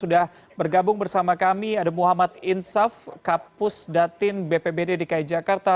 sudah bergabung bersama kami ada muhammad insaf kapus datin bpbd dki jakarta